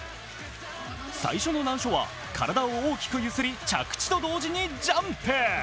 最初の難所は体を大きく揺すり着地と同時にジャンプ。